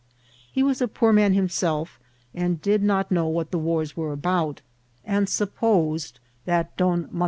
He was a poor man himself, and did not know what the wars were about; and supposed tjiat Vol.